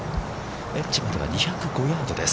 ◆エッジまでは、２０５ヤードです。